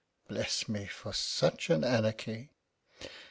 Bless me from such an anarchy!